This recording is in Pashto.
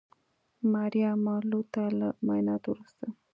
ماریا مارلو ته له معاینانو وروسته